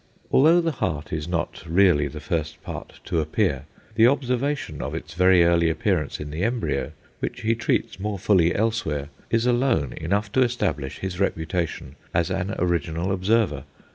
Although the heart is not really the first part to appear, the observation of its very early appearance in the embryo, which he treats more fully elsewhere, is alone enough to establish his reputation as an original observer.